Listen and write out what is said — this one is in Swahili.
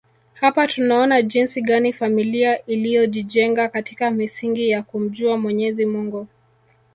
Hapa tunaona jinsi gani familia iliyojijenga katika misingi ya kumjua Mwenyezi Mungu